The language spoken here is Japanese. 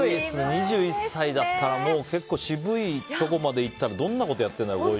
２１歳だったら、もう結構渋いところまでいったら、どんなことをやってるんだろう。